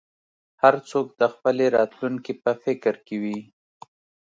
هر څوک د خپلې راتلونکې په فکر کې وي.